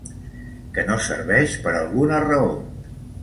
Que no serveix, per alguna raó.